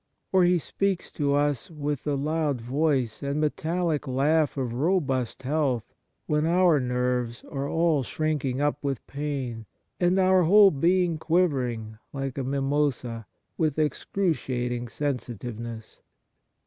Or he speaks to us with the loud voice and metallic laugh of robust health, when our nerves are all shrinking up with pain, and our whole being quivering, like a mimosa, with excruciating sensitiveness.